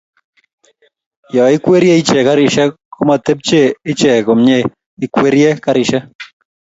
yoikwerie iche karishek komatepche iche komnyei kikwerie karishek